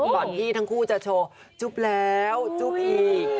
ก่อนที่ทั้งคู่จะโชว์จุ๊บแล้วจุ๊บอีก